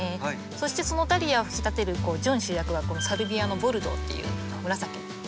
そしてそのダリアを引き立てる準主役はこのサルビアのボルドーっていう紫のお花です。